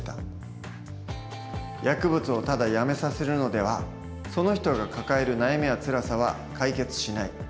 「薬物をただやめさせるのではその人が抱える悩みやつらさは解決しない。